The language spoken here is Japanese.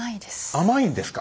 甘いんですか。